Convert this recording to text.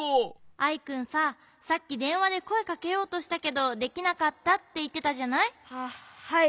アイくんささっきでんわでこえかけようとしたけどできなかったっていってたじゃない？ははい。